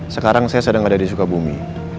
sekarang saya sedang ada di sukabumi